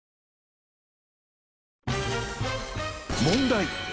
問題。